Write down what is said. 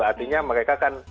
artinya mereka kan